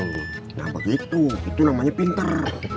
nah begitu itu namanya pinter